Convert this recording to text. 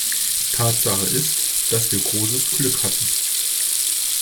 Tatsache ist, dass wir großes Glück hatten.